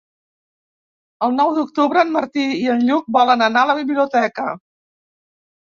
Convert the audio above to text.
El nou d'octubre en Martí i en Lluc volen anar a la biblioteca.